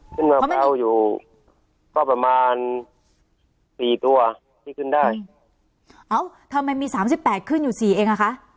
มะพร้าวอยู่ก็ประมาณสี่ตัวที่ขึ้นได้เอ้าทำไมมีสามสิบแปดขึ้นอยู่สี่เองอ่ะคะ